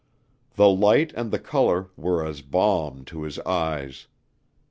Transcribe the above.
The light and the color were as balm to his eyes.